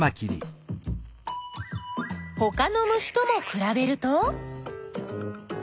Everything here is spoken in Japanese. ほかの虫ともくらべると？